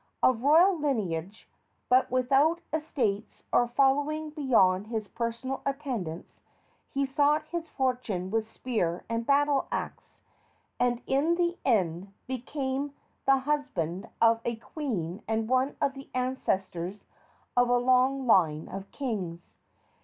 Of royal lineage, but without estates or following beyond his personal attendants, he sought his fortune with spear and battle axe, and in the end became the husband of a queen and one of the ancestors of a long line of kings.